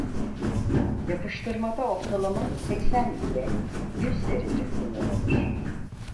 Yapıştırmada ortalama seksen ile yüz derece kullanılır.